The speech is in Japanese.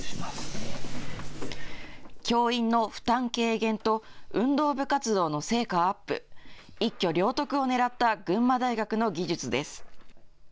教員の負担軽減と運動部活動の成果アップ、一挙両得をねらった群馬大学の技術です。